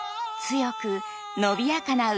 強く伸びやかな歌声。